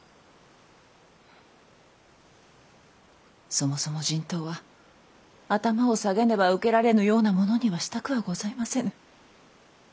そもそも人痘は頭を下げねば受けられぬようなものにはしたくはございませぬ。